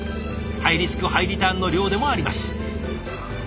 ハイリスクハイリターンの漁でもあります。